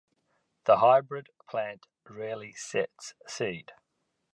The hybrid plant rarely sets seed.